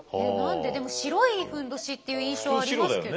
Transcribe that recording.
でも白いふんどしっていう印象ありますけどね。